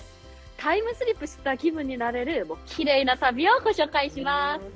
タイムスリップした気分になれるきれいな旅をご紹介します。